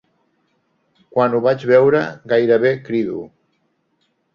Quan ho vaig veure, gairebé crido.